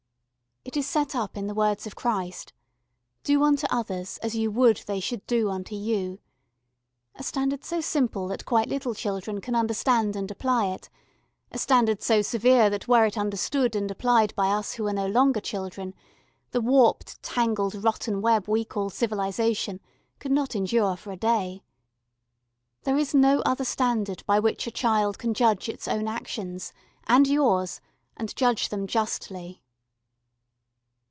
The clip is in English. It is set up in the words of Christ: "Do unto others as you would they should do unto you" a standard so simple that quite little children can understand and apply it, a standard so severe that were it understood and applied by us who are no longer children, the warped, tangled, rotten web we call civilisation could not endure for a day. There is no other standard by which a child can judge its own actions, and yours, and judge them justly.